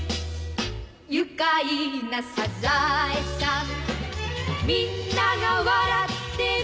「愉快なサザエさん」「みんなが笑ってる」